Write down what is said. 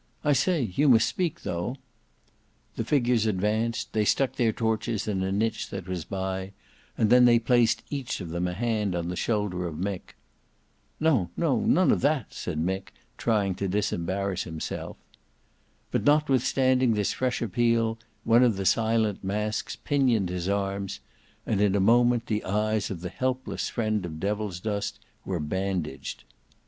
I say, you must speak though." The figures advanced: they stuck their torches in a niche that was by; and then they placed each of them a hand on the shoulder of Mick. "No, no; none of that," said Mick, trying to disembarrass himself. But, notwithstanding this fresh appeal, one of the silent masks pinioned his arms; and in a moment the eyes of the helpless friend of Devilsdust were bandaged.